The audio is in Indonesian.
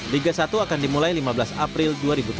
liga satu akan dimulai lima belas april dua ribu tujuh belas